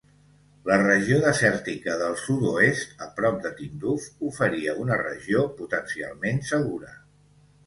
La regió desèrtica del sud-oest, a prop de Tindouf, oferia una regió potencialment segura.